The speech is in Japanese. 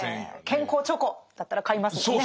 「健康チョコ」だったら買いますもんね。